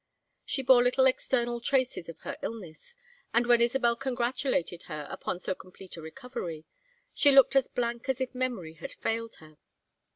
She bore little external traces of her illness, and when Isabel congratulated her upon so complete a recovery, she looked as blank as if memory had failed her.